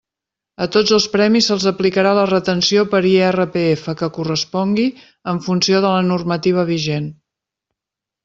A tots els premis se'ls aplicarà la retenció per IRPF que correspongui en funció de la normativa vigent.